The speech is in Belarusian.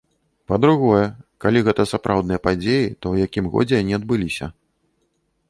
Па-другое, калі гэта сапраўдныя падзеі, то ў якім годзе яны адбыліся.